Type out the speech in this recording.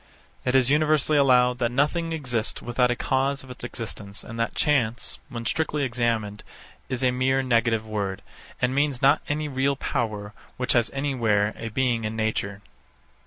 It is universally allowed that nothing exists without a cause of its existence, and that chance, when strictly examined, is a mere negative word, and means not any real power which has anywhere a being in nature.